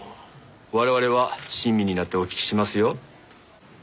我々は親身になってお聞きしますよ。